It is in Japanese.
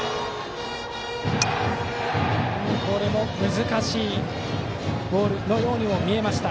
難しいボールのように見えました。